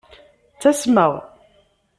Ttasmeɣ.